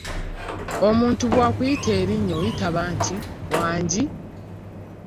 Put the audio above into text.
Omuntu bwakuyita erinnya oyitaba nti "Wangi?